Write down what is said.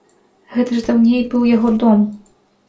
Гэта ж даўней быў яго дом.